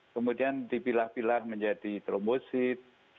kemudian dipilah pilah menjadi trombosit